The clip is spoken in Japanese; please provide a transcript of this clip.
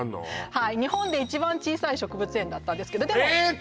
はい日本で一番小さい植物園だったんですけどでもえーっ！